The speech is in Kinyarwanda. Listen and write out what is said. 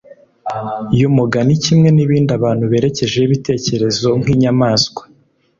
y’umugani kimwe n’ibindi abantu berekejeho ibitekerezo nk’inyamaswa,